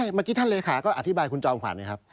ใช่เมื่อกี้ท่านเลยค่ะก็อธิบายคุณจองฟังเลยครับ